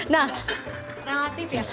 nah relatif ya